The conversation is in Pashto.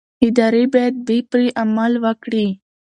ادارې باید بې پرې عمل وکړي